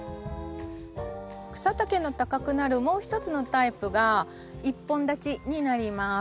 草丈の高くなるもう一つのタイプが１本立ちになります。